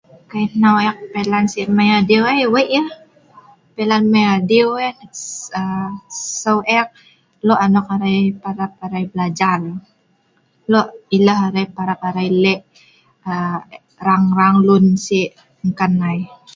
Kai hau eek si pelan adiew ai suh eek ai lo nok parab arai blajar lo' eleh parab arai lek' rang-rang lun si nkan ngai.